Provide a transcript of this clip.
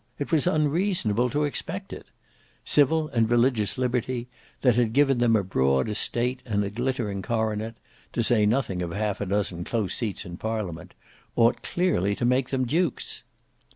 It was unreasonable to expect it. Civil and religious liberty, that had given them a broad estate and a glittering coronet, to say nothing of half a dozen close seats in parliament, ought clearly to make them dukes.